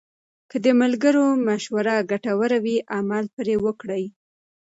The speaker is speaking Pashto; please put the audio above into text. که د ملګرو مشوره ګټوره وي، عمل پرې وکړئ.